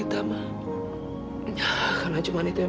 ini pakaian tempat produksi